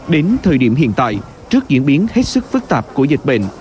đến thời điểm hiện tại trước diễn biến hết sức phức tạp của dịch bệnh